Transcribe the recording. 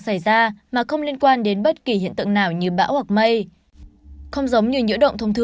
xảy ra mà không liên quan đến bất kỳ hiện tượng nào như bão hoặc mây không giống như nhiễu động thông